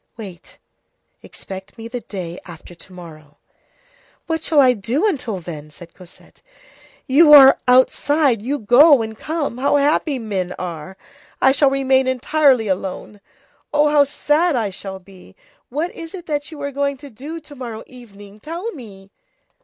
Wait; expect me the day after to morrow." "What shall I do until then?" said Cosette. "You are outside, you go, and come! How happy men are! I shall remain entirely alone! Oh! How sad I shall be! What is it that you are going to do to morrow evening? tell me."